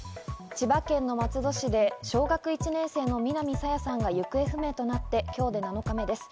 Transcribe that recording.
千葉県の松戸市で小学１年生の南朝芽さんが行方不明となって今日で７日目です。